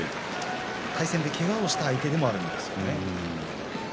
対戦でけがをした相手でもあるんですね。